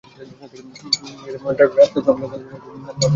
ডাক, তোর সবগুলো দাঁত না ভেঙ্গে আজ আর ছাড়বো না!